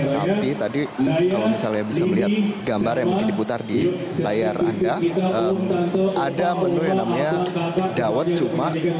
tapi tadi kalau misalnya bisa melihat gambar yang mungkin diputar di layar anda ada menu yang namanya dawet cuma